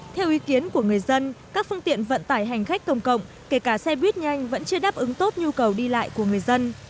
theo ý kiến của người dân các phương tiện vận tải hành khách công cộng kể cả xe buýt nhanh vẫn chưa đáp ứng tốt nhu cầu đi lại của người dân